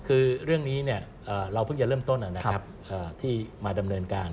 คือเรื่องนี้เราเพิ่งจะเริ่มต้นที่มาดำเนินการ